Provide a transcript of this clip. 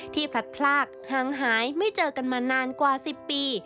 พลัดพลากห่างหายไม่เจอกันมานานกว่า๑๐ปี